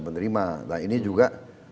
menerima nah ini juga